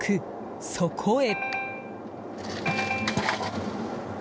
そこへ。